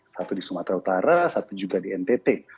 satu di sumatera utara satu juga di ntt